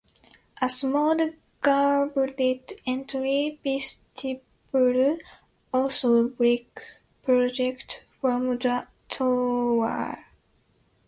A small gabled entry vestibule, also brick, projects from the tower.